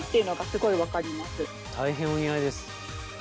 大変お似合いです。